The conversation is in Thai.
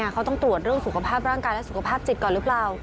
เขาต้องตรวจเรื่องสุขภาพร่างกายและสุขภาพจิตก่อนหรือเปล่า